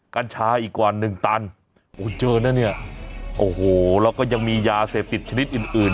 กัญชาอีกกว่าหนึ่งตันโอ้เจอนะเนี่ยโอ้โหแล้วก็ยังมียาเสพติดชนิดอื่นอื่น